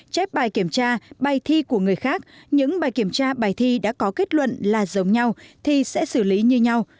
chép bài kiểm tra bài thi của người khác những bài kiểm tra bài thi đã có kết luận là giống nhau thì sẽ xử lý như nhau